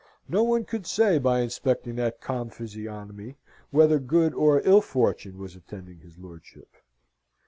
No one could say, by inspecting that calm physiognomy, whether good or ill fortune was attending his lordship.